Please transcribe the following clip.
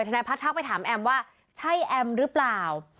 นายพัฒนทักไปถามแอมว่าใช่แอมหรือเปล่า